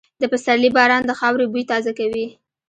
د پسرلي باران د خاورې بوی تازه کوي.